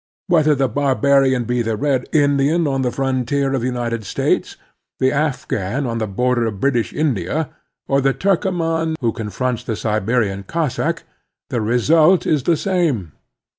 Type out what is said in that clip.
Whether the barbarian be the Red Indian on the frontier of the United States, the Afghan on the border of British India, or the Turkoman who confronts the Siberian Cossack, the result is the same.